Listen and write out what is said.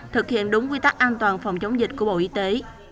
thực hiện đúng quy tắc an toàn phòng chống dịch của bộ y tế